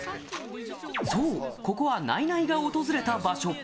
そう、ここはナイナイが訪れた場所。